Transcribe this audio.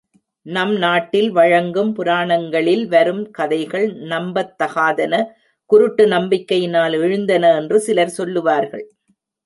நம் நாட்டில் வழங்கும் புராணங்களில் வரும் கதைகள் நம்பத்தகாதன, குருட்டு நம்பிக்கையினால் எழுந்தன என்று சிலர் சொல்லுவார்கள்.